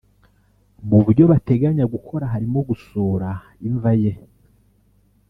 Mu byo bateganya gukora harimo gusura imva ye